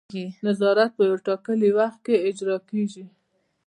نظارت په یو ټاکلي وخت کې اجرا کیږي.